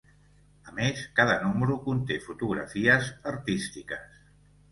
A més, cada número conté fotografies artístiques.